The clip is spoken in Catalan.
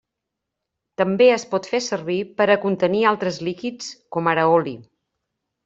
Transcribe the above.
També es pot fer servir per a contenir altres líquids, com ara oli.